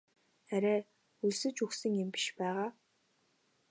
Арай өлсөж үхсэн юм биш байгаа?